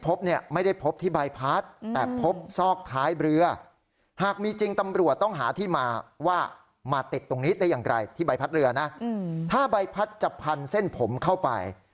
ไม่ได้พบที่ใบพัดแต่พบซอกท้ายเรือหากมีจริงตำรวจต้องหาที่มาว่ามาติดตรงนี้ได้อย่างไรที่ใบพัดเรือนะถ้าใบพัดจะพันเส้นผมเข้าไป